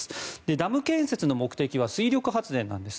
ダム建設の目的は水力発電なんです。